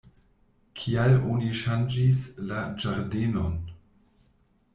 Kial oni ŝanĝis la ĝardenon?